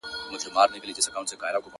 زما د تصور لاس در غځيږي گرانـي تــــاته،